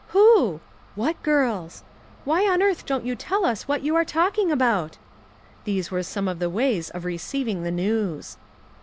"Who?" "What girls?" "Why on earth don't you tell us what you are talking about ?" These were some of the ways of receiving the news.